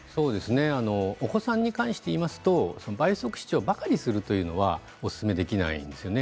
お子さんに関して言いますと倍速視聴ばかりするというのはおすすめできないですね。